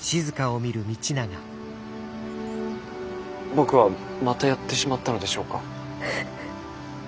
僕はまたやってしまったのでしょうか。